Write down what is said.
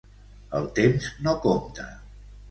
E l temps no compta.